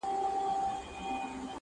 o انسان وجدان سره مخ کيږي تل,